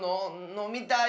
のみたい。